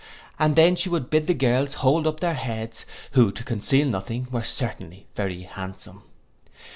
And then she would bid the girls hold up their heads; who, to conceal nothing, were certainly very handsome.